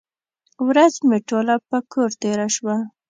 ورځ مې ټوله په کور تېره شوه.